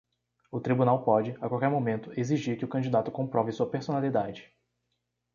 O tribunal pode, a qualquer momento, exigir que o candidato comprove sua personalidade.